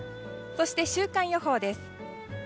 そして週間予報です。